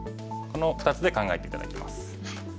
この２つで考えて頂きます。